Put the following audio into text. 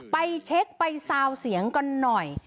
ไปเช็คไปซาวเสียงกันหน่อย